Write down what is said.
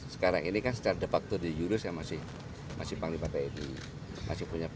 sekarang ini kan secara de facto di judul saya masih panglipat edy